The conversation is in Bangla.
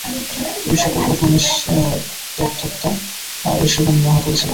এই সকল উপনিষদ্বক্তা ঋষিগণ মহাকবি ছিলেন।